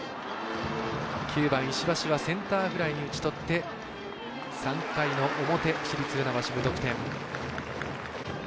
９番、石橋はセンターフライに打ち取って３回の表、市立船橋、無得点。